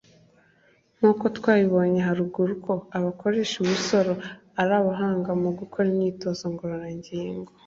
Nkuko twabibonye haruguru ko abakoresha imoso ari abahanga mu gukora imyitozo ngororangingo